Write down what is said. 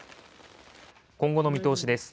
今後の見通しです。